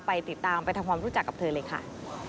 ไปติดตามไปทำความรู้จักกับเธอเลยค่ะ